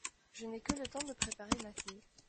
Je n’ai que le temps de préparer ma fille…